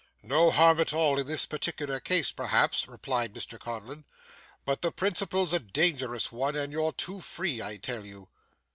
'No harm at all in this particular case, perhaps,' replied Mr Codlin; 'but the principle's a dangerous one, and you're too free I tell you.